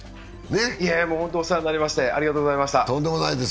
もう本当にお世話になりましてありがとうございます。